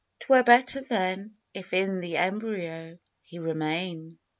'Twere better then, if in the embryo he remain.